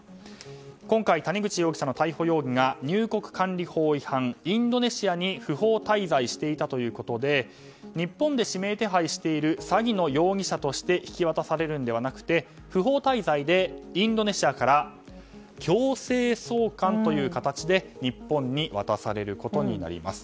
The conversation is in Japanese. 今回、谷口容疑者の逮捕容疑が入国管理法違反、インドネシアに不法滞在していたということで日本で指名手配している詐欺の容疑者として引き渡されるのではなくて不法滞在でインドネシアから強制送還という形で日本に渡されることになります。